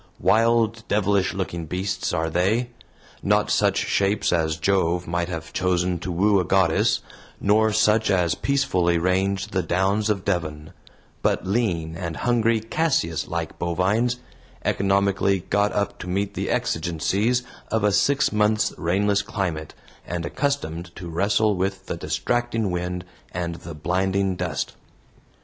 Wild, devilish looking beasts are they; not such shapes as Jove might have chosen to woo a goddess, nor such as peacefully range the downs of Devon, but lean and hungry Cassius like bovines, economically got up to meet the exigencies of a six months' rainless climate, and accustomed to wrestle with the distracting wind and the blinding dust.